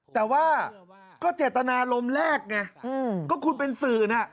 แต่ว่าก็เจตนารมณ์แรกไงก็คุณเป็นสื่อน่ะ